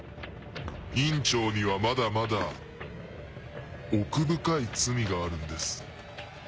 院長にはまだまだ奥深い罪があるんです。